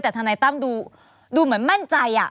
แต่ทนายตั้มดูเหมือนมั่นใจ